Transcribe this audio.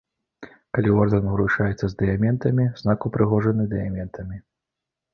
Калі ордэн уручаецца з дыяментамі, знак упрыгожаны дыяментамі.